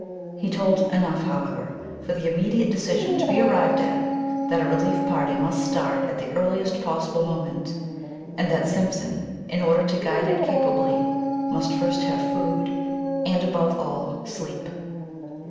He told enough, however, for the immediate decision to be arrived at that a relief party must start at the earliest possible moment, and that Simpson, in order to guide it capably, must first have food and, above all, sleep.